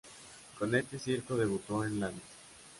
Con este circo debutó en Lanús.